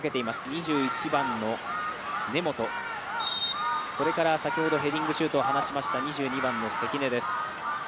２１番の根本、それから先ほどヘディングシュートを放ちました２２番の関根です。